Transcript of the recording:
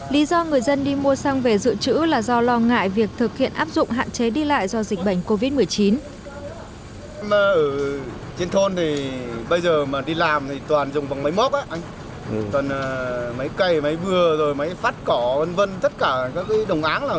lý do người dân đi mua xăng về dự trữ là do lo ngại việc thực hiện áp dụng hạn chế đi lại do dịch bệnh covid một mươi chín